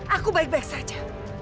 aku baik baik saja